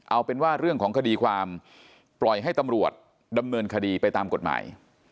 เอาเป็นว่าเรื่องของคดีความปล่อยให้ตำรวจดำเนินคดีไปตามกฎหมาย